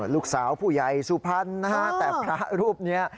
ลูกสาวผู้ใหญ่สุพรรณนะฮะแต่พระรูปนี้